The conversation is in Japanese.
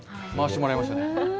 回してもらいましたね。